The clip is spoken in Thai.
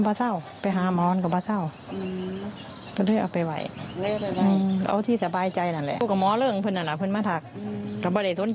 บอกว่าไม้ทั้งสามท่อนอยู่ข้างล่างตั้งน้ำเชื้อมลายปีแล้ว